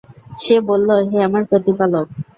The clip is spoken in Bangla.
সে বলল, হে আমার প্রতিপালক!